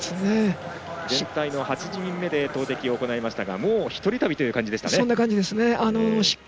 全体の８人目で投てきを行いましたがもう１人旅という感じでした。